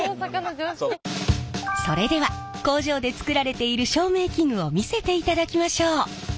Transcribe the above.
それでは工場で作られている照明器具を見せていただきましょう。